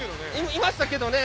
いましたけどね。